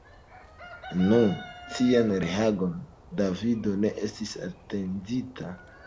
Nu, tian reagon Davido ne estis atendinta.